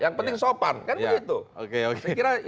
yang penting sopan kan begitu